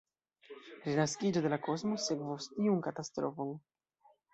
Renaskiĝo de la kosmo sekvos tiun katastrofon.